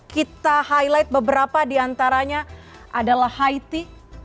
kita highlight beberapa di antaranya adalah haiti